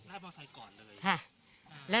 ลาดมอเซย์ก่อนเลย